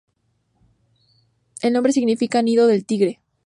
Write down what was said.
El nombre significa "Nido del Tigre".